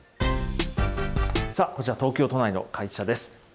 さあ、こちら、東京都内の会社です。